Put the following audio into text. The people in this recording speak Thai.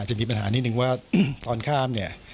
จะมีปัญหานิดนึงว่าตอนข้ามเนี่ย